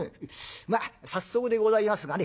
まあ早速でございますがね